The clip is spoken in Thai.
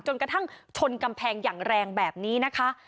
จนกระทั่งชนกำแพงอย่างแรงแบบนี้นะคะ